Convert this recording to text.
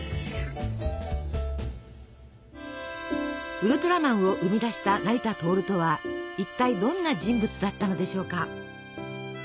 ウルトラマンを生み出した成田亨とは一体どんな人物だったのでしょうか？